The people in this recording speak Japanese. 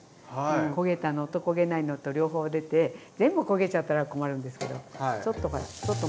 焦げたのと焦げないのと両方出て全部焦げちゃったら困るんですけどちょっとほらちょっと